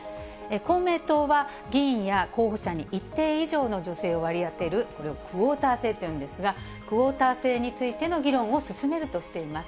公明党は議員や候補者に一定以上の女性を割り当てる、これをクオータ制と言うんですが、クオータ制についての議論を進めるとしています。